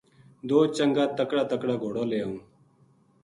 دو چنگا تکڑا تکڑا گھوڑا لے آئوں